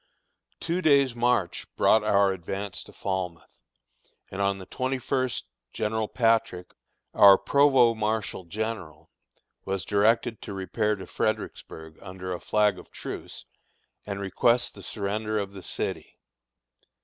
Two days' march brought our advance to Falmouth, and on the twenty first General Patrick, our provost marshal general, was directed to repair to Fredericksburg under a flag of truce, and request the surrender of the city.